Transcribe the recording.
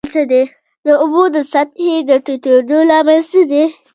د اوبو د سطحې د ټیټیدو لامل څه دی؟